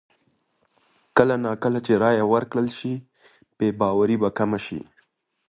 کله نا کله چې رایه ورکړل شي، بې باوري به کمه شي.